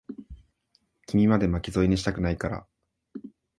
君まで、巻き添えにしたくないから。